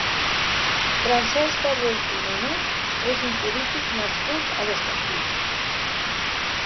Francesc Ferrer i Giménez és un polític nascut a l'Estartit.